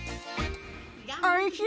おいしい。